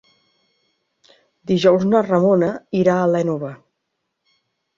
Dijous na Ramona irà a l'Énova.